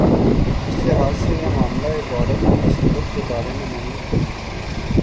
اس لحاظ سے یہ معاملہ ایک عورت کی مصیبت کے بارے میں نہیں۔